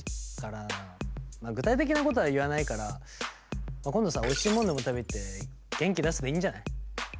まあ具体的なことは言わないから今度さおいしいもんでも食べ行って元気出せばいいんじゃない？